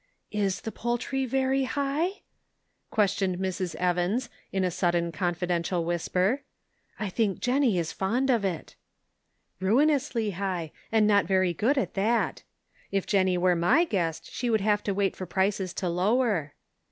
" Is the poultry very high ?" questioned Mrs. Evans, in a sudden confidential whisper. "I think Jennie is fond of it." " Ruinously high, and not very good at that." If Jennie were my guest, she would have to wait for prices to lower."